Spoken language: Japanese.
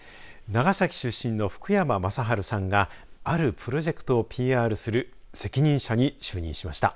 長崎出身の福山雅治さんがあるプロジェクトをＰＲする責任者に就任しました。